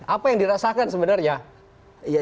apa yang dirasakan sebenarnya